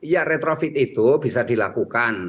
ya retrofit itu bisa dilakukan